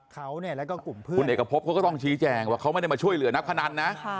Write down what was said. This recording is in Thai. คุณเอกพบก็ต้องชี้แจงว่าเขาไม่ได้มาช่วยเหลือนับพนันนะ